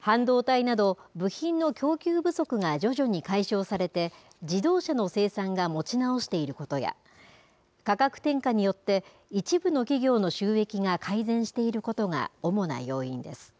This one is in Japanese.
半導体など、部品の供給不足が徐々に解消されて、自動車の生産が持ち直していることや、価格転嫁によって、一部の企業の収益が改善していることが主な要因です。